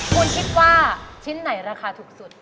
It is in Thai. คุณคิดว่าชิ้นไหนราคาถูกสุด